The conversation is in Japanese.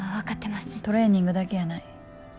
トレーニングだけやない。